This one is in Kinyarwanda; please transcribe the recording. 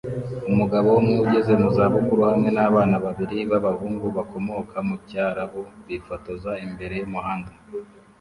Umugabo umwe ugeze mu za bukuru hamwe nabana babiri b'abahungu bakomoka mucyarabu bifotoza imbere yumuhanda